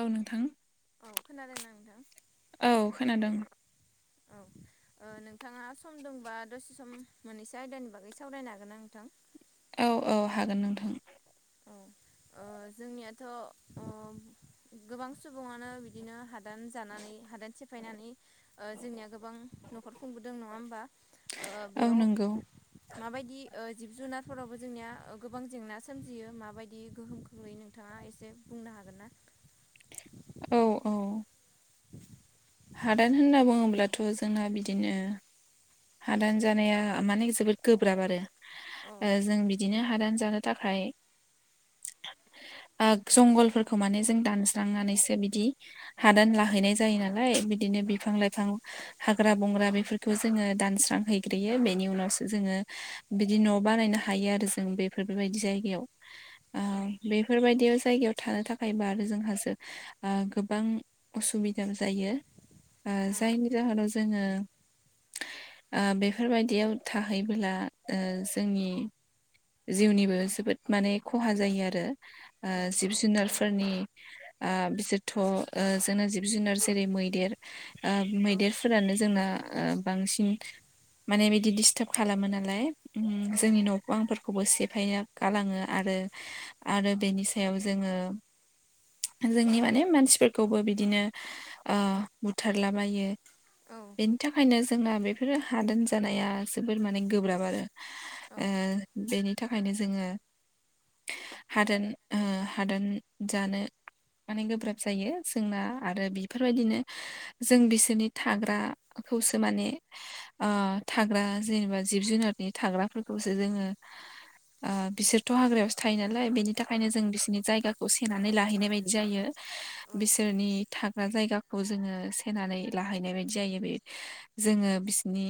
औ नोंथां। औ खोनादोंना नोंथां? औ खोनादों। औ ओ नोंथाङा सम दंबा दसे सम मोननैसो आयदानि बागै सावरायनो हागोन ना नोंथां? औ औ हागोन नोंथां। औ ओ जोंनियाथ' गोबां सुबुङानो बिदिनो हाद दान जानानै हादान सिफायनानै जोंनिया गोबां न'खर खुंबोदों नङा होमबा? ओ औ बेयाव नंगौ माबायदि जिब जुनारफोरावबो जोंनिया गोबां जेंना सोमजियो। माबायदि गोहोम खोख्लैयो नोंथाङा एसे बुंनो हागोन ना? औ औ हादान होनना बुङोब्लाथ' जोंना बिदिनो हादान जानाया माने जोबोद गोब्राब आरो औ जों बिदि बिदिनो हादान जानो थाखाय ओ जंगलफोरखौ माने जों दानस्रांनानैसो बिदि हादान लाहैनाय जायो नालाय बिदिनो औ बिफां लाइफां हाग्रा बंग्रा बेफोरखौ जोङो दानस्रां हैैग्रोयो बेनि उनावसो जोङो बिदि न' बानायनो हायो आरो जों बे बेफोर बेबायदि जायगायाव औ ओ बेफोरबायदि जायगायाव थानो थाखायब आरो जोंहासो ओ गोबां असुबिदाबो जायो। ओ औ जायनि जाहोनाव जोङो ओ बेफोरबायदियाव थाहैबोला जोंनि जिउनिबो जोबोद माने खहा जायो आरो ओ औ जिब जुनार फोरनि ओ बिसोरथ' ओ जोंनो जिब जुनार जेरै मैदेर ओ मैदेरफोरानो जोंना ओ बांसिन माने बिदि डिस्टार्ब खालामो नालाय जोंनि उम जोंनि न'बां फोर खौबो सेफायना गालाङो आरो आरो बेनि सायाव जोङो जोंनि माने मानसिफोरखौबो बिदिनो ओ बुथारलाबायो औ बेनि थाखायनो जोंना बेफोरो हादान जानाया जोबोर माने गोब्राब आरो औ ओ बेनि थाखायनो जोङो हादान ओ हादान जानो माने गोब्राब जायो जोंना आरो बेफोरबायदिनो जों बिसोरनि थाग्राखौसो माने ओ थाग्रा जेनेबा जिब जुनारनि थाग्राफोरखौसो जोङो ओ बिसोरथ' हाग्रायावसो थायो नालाय बेनि थाखायनो जों बिसोरनि जायगाखौ सेनानै लाहैनाय बायदि जायो। बिसोरनि थाग्रा जायगाखौ जोङो सेनानै लाहैनाय बायदि जायो बे जोङो बिसिनि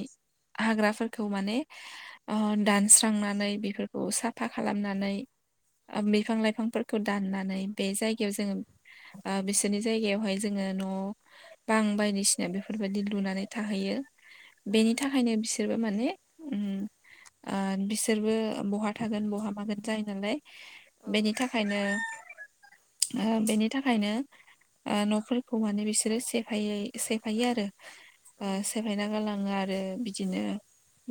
हाग्राफोरखौ माने ओ दानस्रांनानै नानै बेफोरखौ साफा खालामनानै ओ बिफां लाइफांफोरखौ दाननानै बे जायगायाव जोङो ओ बिसोरनि जायगायावहाय जोङो न' बां बायदिसिना बेफोरबायदि लुनानै थाहैयो औ बेनि थाखायनो बिसोरबो माने उम ओ बिस बिसोरबो बहा थागोन बहा मागोन जायो नालाय बेनि थाखायनो ओ बेनि थाखायनो ओ न'फोरखौ माने बिसोरो सेफाय सेफायो आरो ओ सेफायना गलां ङा आरो बिदिनो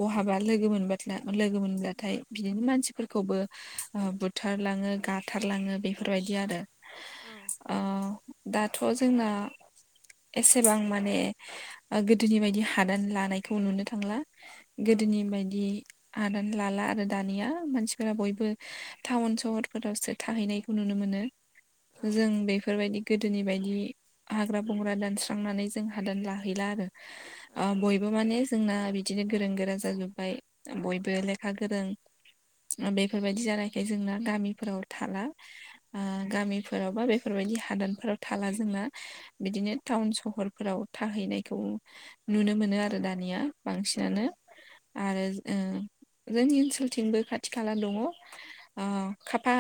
बहाबा लोगो मोनबा लोगो मोनब्ला नाथाय बिदिनो मानसिफोरखौबो ओ बुथार लाङो गाथारलाङो बेफोरबायदि आरो ओ दाथ' जोंना एसेबां माने गोदोनि बायदि हादान लानायखौ नुनो थांला गोदोनि बायदि हादान लाला आरो दानिया मानसिफोरा बयबो टाउन सहरफोरावसो थाहैनायखौ नुनो मोनो जों बेफोरबायदि गोदोनि बायदि हाग्रा बंग्रा दानस्रांनानै जों हादान लाहैला आरो ओ बयबो बेबो माने जोंना बिदिनो गोरों गोरा जाजोब्बाय बयबो लेखा ग गोरों बेफोरबायदि जानायख जोंना गामिफोराव थाला। ओ गामिफोराव बा बेफोरबायदि हादानफोराव थाला जोंहा बिदिनो टाउन सहरफोराव थाहैनायखौ नुनो मोनो आरो दानिया बांसिनानो दासिमबो आरो ओ जोंनि ओनसोलथिंबो खाथि खाला दङ। ओ खाफा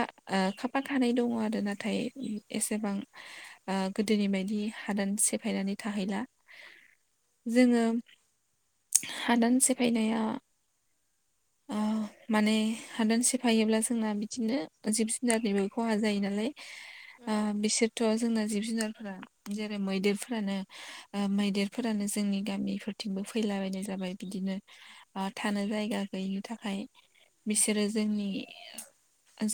खााफा खानाय दङ आरो नाथाय एसेबां ओ गोदोनि बायदि हादान सेफायनानै थाहैला जोङो हादान सेफायनाया ओ [inaudible] माने हादान सेफायोब्ला जोंना बिदिनो जिब जुनारनिबो खहा जायो नालाय आ बिसोरथ' जोंना जिब जुनारफोरा जेरै मैदेरफोरानो आ मैदेरफोरानो जोंनि गामिफोरथिंबो फैलाबायनाय जाबाय बिदिनो आ थानो जायगा गैयिनि थाखाय बिसोरो जोंनि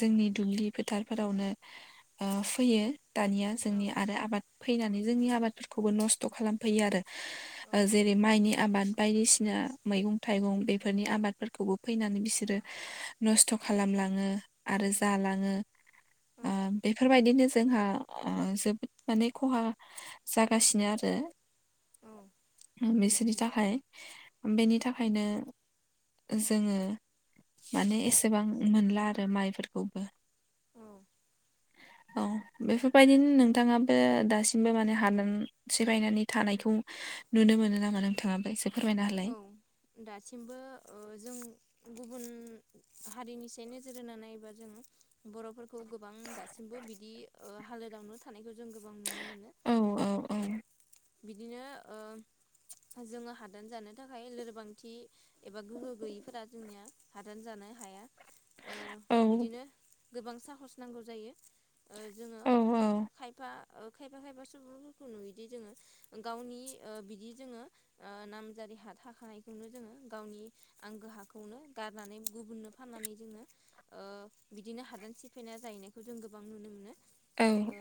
जोंनि दुब्लि फोथारफोरावनो आ फैयो दानिया जोंनि आरो आबाद फैनानै जोंनि आबादफोरखौबो नस्थ' खालामफैयो आरो ओ जेरै माइनि आबाद बायदिसिना मैगं थाइगं बेफोरनि आबाद फोरखौबो फैनानै बिसोरो नस्थ' खालामलाङो आरो जालाङो आ बेफोरबायदिनो जोंहा आ जोबोद माने खहा जागासिनो आरो बिसोरनि थाखाय बेनि थाखायनो जोङो माने एसेबां मोनला आरो माइफोरखौबो औ औ बेफोरबायदिनो नोंथाङाबो दासिमबो माने हादान सिफायनानै थानायखौ नुनो मोनो नामा नोंथाङाबो इसे फोरमायना हालाय दासिमबो ओ जों गुबुन हारिनिसे नोजोर होनानै बा जों बर'फोरखौ गोबां दासिमबो बिदि ओ हालोदावनो थानायखौ जों गोबां नुनो मोनो औ औ औ बिदिनो ओ जोङो हादान जानो थाखाय लोरबांथि एबा गोहो गैयैफोरा जोंनिया हादान जानो हाया ओ औ बिदिनो गोबां साहस नांगौ जायो ओ जोङो औ खायफा ओ खायफा खायफा सुबुंफोरखौ नुयोदि जोङो गावनि ओ बिदि जोङो ओ नामजारि हा थाखानायखौनो जोङो गावनि आंगो हाखौनो गारनानै गुबुननो फाननानै जोङो ओ बिदिनो हादान सिफायना जाहैनायखौ जों गोबां नुनो मोनो औ ओ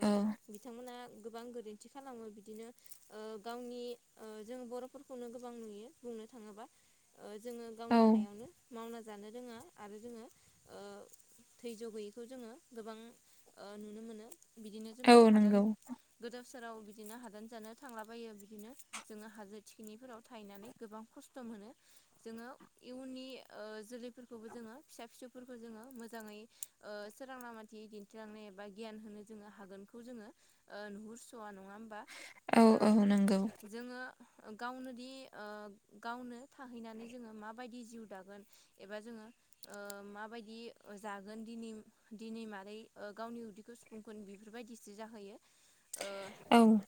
बिथांमोना गोबां गोरोन्थि खालामो बिदिनो ओ गावनि ओ जों बर'फोरखौनो गोबां नुयो बुंनो थाङोबा ओ जोङो औ गावनि हायावनो मावना जानो रोङा आरो जोङो ओ घैयज्य गैयैखौ जोङो गोबां ओ नुनो मोनो बिदिनो जोङो औ हादान नंगौ गोदाव सोराव बिदिनो हादान जानो थांलाबायो बिदिनो जोङो हाजो थिखिनिफोराव थायनानै गोबां खस्थ' मोनो जोङो इयुननि ओ जोलैफोरखौबो जोङो फिसा फिसौफोरखौ जोङो मोजाङै ओ सोरां लामाथि दिन्थिलांनो एबा गियान होनो जोङो हागोनखौ जोङो ओ नुहुरस'या नङा होमबा औ ओ औ नंगौ जोङो गावनो दि ओ गावनो थाहैनानै जोङो माबायदि जिउ दागोन एबा जोङो ओ माबायदि जागोन दिनि दिनि मारै ओ गावनि उदिखौ सुफुंखोन बेफोरबायदिसो जाहोयो ओ औ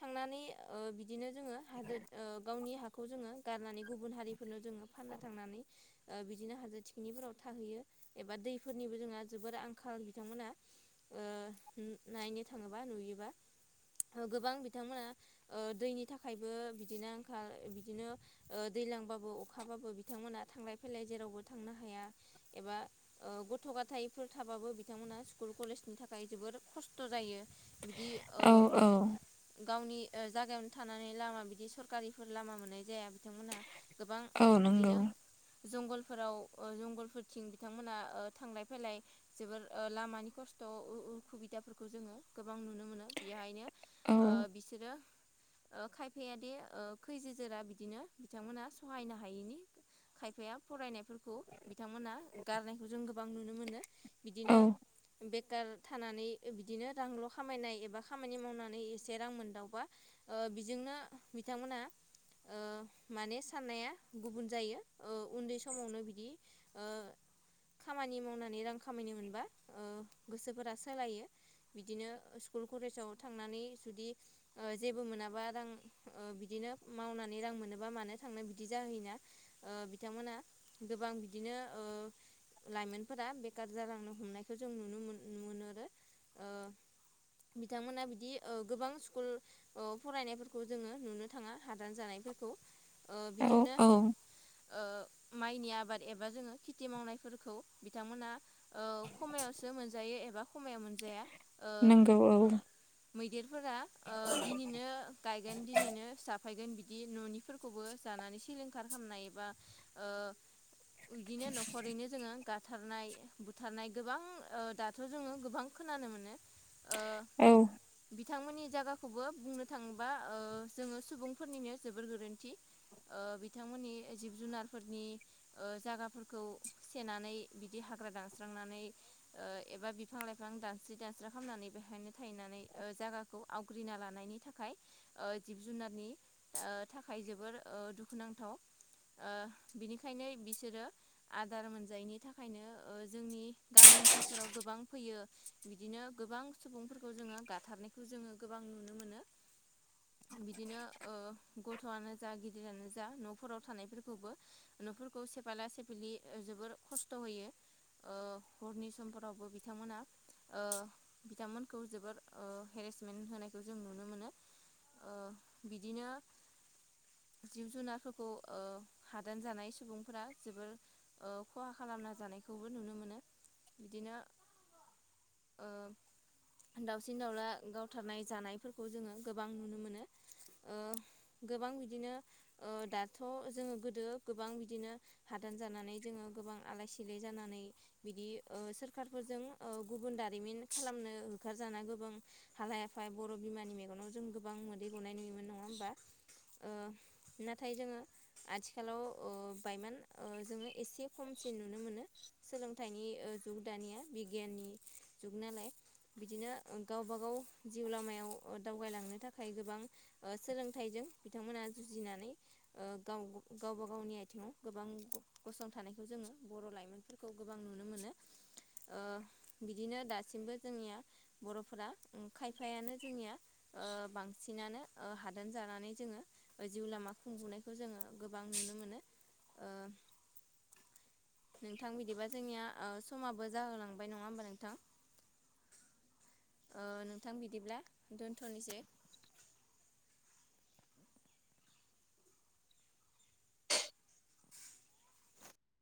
थांनानै ओ बिदिनो जोङो हाजो ओ गावनि हाखौ जोङो गारनानै गुबुन हारिफोरनो जोङो फानना थांनानै ओ बिदिनो हाजो थिखिनिफोराव थाहैयो एबा दैफोरनिबो जोंहा जोबोर आंखाल बिथांमोना ओ नायनो थाङोबा नुयोबा गोबां बि बिथांमोना ओ दैनि थाखायबो बिदिनो आंखाल बिदिनो ओ दैलांबाबो अखाबाबो बिथांमोना थांलाय फैलाय जेरावबो थांनो हाया एबा ओ गथ' गाथायफोर थाबाबो बिथांमोनहा स्कुल कलेजनि थाखाय जोबोर खस्थ' जायो बिदि ओ औ औ गावनि ओ जागायावनो थानानै लामा बिदि सरकारिफोर लामा मोननाय जाया बिथांमोना गोबां औ नंगौ बिदिनो जंगलफोराव ओ जंगलफोरथिं बिथांमोना ओ थांलाय फेलाय जोबोर ओ लामानि खस्थ' उ-उखुबिदाफोरखौ जोङो गोबां नुनो मोनो बेहायनो औ ओ बिसोरो ओ खायफायादि ओ खैजो जोरा बिदिनो बिथांमोना सहायनो हायैनि खायफाया फरायनायफोरखौ बिथांमोना गारनायखौ जों गोबां नुनो मोनो। औ बिदिनो बेखार थानानै बिदिनो रांल' खामायनाय एबा खामानि मावनानै से रां मोनदावबा ओ बेजोंनो बिथांमोना ओ माने साननाया गुबुन जायो ओ उन्दै समावनो बिदि ओ खामानि मावनानै रां खामायनो मोनबा ओ गोसोफोरा सोलायो। बिदिनो स्कुल कलेजाव थांनानै जुदि ओ जेबो मोनाबा रां ओ बिदिनो मावनानै रां मोनोबा मानो थांनो बिदि जाहैयोना। ओ बिथांमोना गोबां बिदिनो ओ लाइमोनफोरा बेखार जालांनो हमनायखौ जों नुनो मोन मोनहरो ओह बिथांमोना बिदि ओ गोबां स्कुल फरायनायफोरखौ जोङो नुनो थाङा हादान जानायफोरखौ। ओ औ बिदिनो औ ओ माइनि आबाद एबा जोङो खेथि मावनायफोरखौ बिथांमोना ओ खमायावसो मोनजायो एबा खमायाव मोनजाया। नोंगौ औ। मैदेरफोरा ओ दिनैनो गायगोन दिनैनो फिसा फायगोन बिदि न'निफोरखौबो जानानै सिलिंखार खालामनायबा ओ उयदिनो न'खरैनो जोङो गाथारनाय बुथारनाय गोबां ओ दाथ' जोङो गोबां खोनानो मोनो ओ औ बिथांमोननि जायगाखौबो बुंनो थाङोबा ओ जोङो सुबुंफोरनिनो जोबोर गोरोन्थि। ओ बिथांमोननि जिब जुनारफोरनि ओ जागाफोरखौ सेेनानै बिदि हाग्रा दानस्रांनानै ओ एबा बिफां लाइफां दानस्रि दानस्रि खालामनानै बेहायनो थाहैनानै ओ जायगाखौ आवग्रिना लानायनि थाखाय ओ जिब जुनारनि ओ थाखाय जोबोर ओ दुखुनांथाव। ओ बिनिखायनो बिसोरो आदार मोनजायैनि थाखायनो ओ जोंनि गामि ओनसोलफोराव गोबां फैयो। बिदिनो गोबां सुबुंफोरखौ जोङो गाथारनायखौ जोङो गोबां नुनो मोनो। बिदिनो ओ गथ'आनो जा गिदिरानो जा न'फोराव थानायफोरखौबो न'फोरखौ सेफायला सेफिलि जोबोर खस्थ' होयो। ओ हरनि समफोरावबो बिथांमोना ओ बिथांमोनखौ जोबोर ओ हेरेसमेन्ट होनायखौ जों नुनो मोनो ओ बिदिनो जिब जुनारफोरखौ ओ हादान जानाय सुबुंफोरा जोबोर ओ खहा खालामना जानायखौबो नुनो मोनो बिदिनो ओ दावस सिन दावला गावथारनाय जानायफोरखौ जोङो गोबां नुनो मोनो ओ गोबां बिदिनो ओ दाथ' जोङो गोदो गोबां बिदिनो हादान जानानै जोङो गोबां आलाय सिलाय जानानै बिदि ओ सोरखारफोरजों ओ गुबुन दारिमिन खालामनो होखारजानांगौ बां हालाय हाफाय बर' बिमानि मेगनाव जों गोबां मोदै गनाय नुयोमोन नङा होमबा? ओ नाथाय जोङो आथिखालाव ओ बायमान ओ जोङो एसे खमसिन नुनो मोनो सोलोंथाइनि ओ जुग दानिया बिगियाननि जुग नालाय बिदिनो गावबागाव जिउ लामायाव दावगालांनो थाखाय गोबां सोलोंथाइजों बिथांमोना जुजिनानै ओ गाव गावबा गावनि आथिङाव गोबां गसंथानायखौ जोङो बर' लाइमोनफोरखौ गोबां नुनो मोनो। ओ बिदिनो दासिमबो जोंनिया बर'फोरा खायफायानो जोंनिया ओ बांसिनानो हादान जानानै जोङो जिउ लामा खुंबुनायखौ जोङो गोबां नुनो मोनो ओ नोंथां बिदिबा जोंनिया ओ समाबो जाहोलांबाय नङा होमबा नोंथां। ओ नोंथां बिदिब्ला दोनथलनिसै। [inaudible]